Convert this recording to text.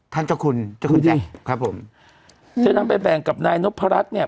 ท่านเจ้าคุณเจ้าคุณใหญ่ครับผมจะนำไปแบ่งกับนายนพรัชเนี่ย